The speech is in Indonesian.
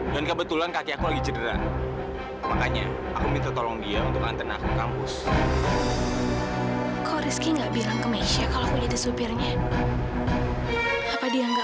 sampai jumpa di video selanjutnya